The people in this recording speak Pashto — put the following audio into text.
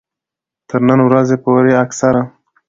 تر نن ورځې پورې اکثره